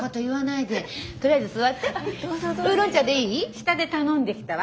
下で頼んできたわ。